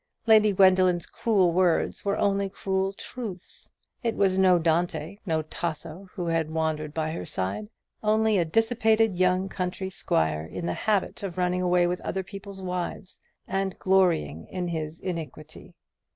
Lady Gwendoline's cruel words were only cruel truths. It was no Dante, no Tasso, who had wandered by her side; only a dissipated young country squire, in the habit of running away with other people's wives, and glorying in his iniquity.